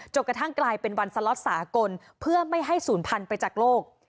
กระทั่งกลายเป็นวันสล็อตสากลเพื่อไม่ให้ศูนย์พันธุ์ไปจากโลก